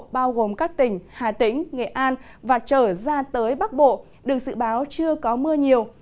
bao gồm các tỉnh hà tĩnh nghệ an và trở ra tới bắc bộ được dự báo chưa có mưa nhiều